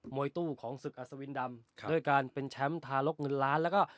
วยตู้ของศึกอัศวินดำด้วยการเป็นแชมป์ทารกเงินล้านแล้วก็